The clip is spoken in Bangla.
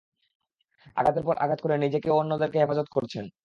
আঘাতের পর আঘাত করে নিজেকে ও অন্যদেরকে হেফাজত করছেন।